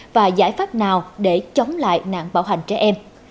và giải pháp nào để chống lại nạn bạo hành trẻ em